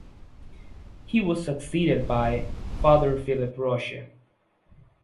He was succeeded by Fr Philip Roche.